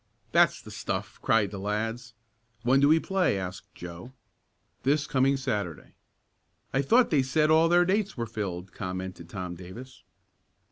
"That's the stuff!" cried the lads. "When do we play?" asked Joe. "This coming Saturday." "I thought they said all their dates were filled," commented Tom Davis.